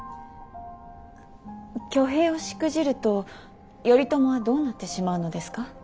挙兵をしくじると頼朝はどうなってしまうのですか。